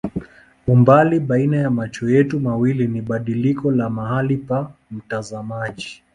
Umbali baina ya macho yetu mawili ni badiliko la mahali pa mtazamaji.